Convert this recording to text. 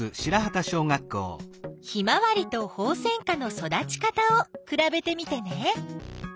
ヒマワリとホウセンカの育ち方をくらべてみてね。